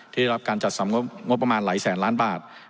ได้รับการจัดสรรงบประมาณหลายแสนล้านบาท